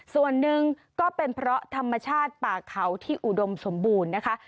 ส่วนหนึ่งก็เป็นเพราะธรรมชาติป่าเขาที่อุดมสมบูรณ์นะคะ